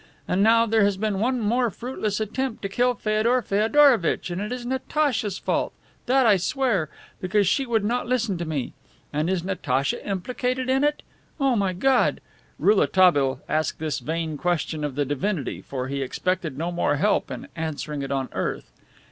And now there has been one more fruitless attempt to kill Feodor Feodorovitch and it is Natacha's fault that I swear, because she would not listen to me. And is Natacha implicated in it? O my God" Rouletabille asked this vain question of the Divinity, for he expected no more help in answering it on earth.